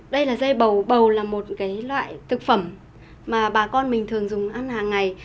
đây là dây bầu bầu là một loại thực phẩm mà bà con mình thường dùng ăn hàng ngày